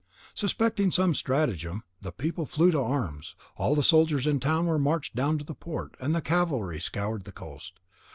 Suspecting some stratagem, the people flew to arms, all the soldiers in the town were marched down to the port, and the cavalry scoured the coast.